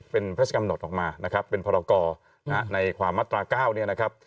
เป็นพระศักดมนตรออกมานะครับเป็นภรกรในของความมาตราเก้า